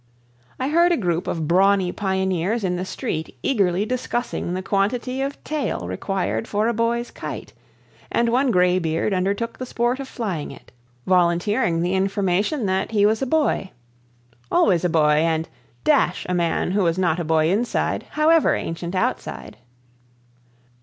I heard a group of brawny pioneers in the street eagerly discussing the quantity of tail required for a boy's kite; and one graybeard undertook the sport of flying it, volunteering the information that he was a boy, "always was a boy, and d—n a man who was not a boy inside, however ancient outside!"